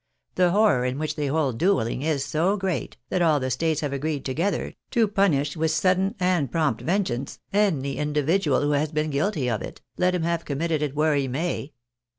The horror in which they hold duelling is so great, that all the States have agreed together, to punish with sudden and prompt vengeance, any individual who has been guilty of it, let him have committed it where he may.